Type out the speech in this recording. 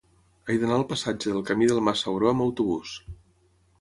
He d'anar al passatge del Camí del Mas Sauró amb autobús.